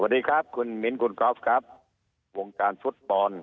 สวัสดีครับคุณมิ้นคุณกอล์ฟครับวงการฟุตบอล